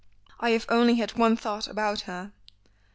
"I have only had one thought about her.